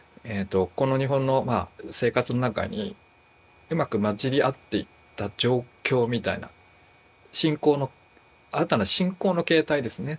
この日本の生活の中にうまく混じり合っていった状況みたいな新たな信仰の形態ですね。